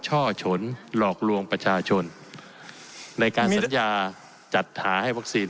ช่อฉนหลอกลวงประชาชนในการสัญญาจัดหาให้วัคซีน